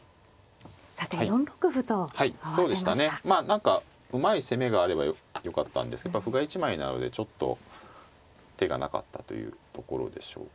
何かうまい攻めがあればよかったんですけど歩が１枚なのでちょっと手がなかったというところでしょうかね。